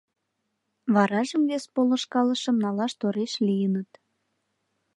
Варажым вес полышкалышым налаш тореш лийыныт.